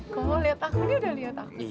kalau lihat aku dia udah lihat aku